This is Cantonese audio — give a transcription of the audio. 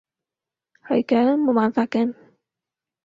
係嘅，冇辦法嘅